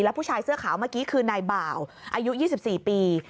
ผู้ชายเสื้อขาวเมื่อกี้คือนายบ่าวอายุ๒๔ปี